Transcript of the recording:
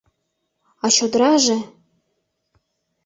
А чодыраже!